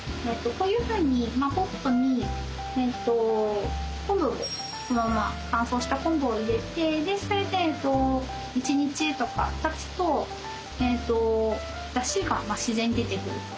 こういうふうにポットに昆布をそのまま乾燥した昆布を入れてそれで１日とかたつとだしが自然に出てくる。